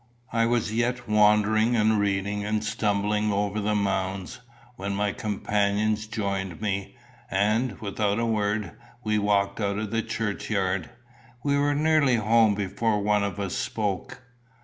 I was yet wandering and reading, and stumbling over the mounds, when my companions joined me, and, without a word, we walked out of the churchyard. We were nearly home before one of us spoke.